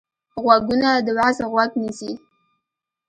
غوږونه د وعظ غوږ نیسي